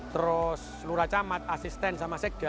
terus seluruh camat asisten sama sekda